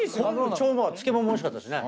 漬物もおいしかったしね。